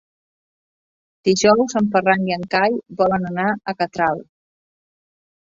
Dijous en Ferran i en Cai volen anar a Catral.